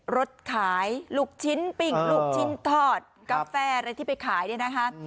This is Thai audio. รถขายลูกชิ้นปิ้งลูกชิ้นทอดกาแฟอะไรที่ไปขายเนี่ยนะคะ